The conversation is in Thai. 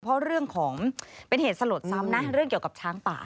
เพราะเรื่องของเป็นเหตุสลดซ้ำนะเรื่องเกี่ยวกับช้างป่า